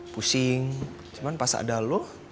pusing cuman pas ada lu